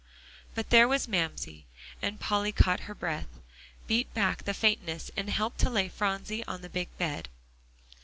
But there was Mamsie. And Polly caught her breath, beat back the faintness, and helped to lay Phronsie on the big bed.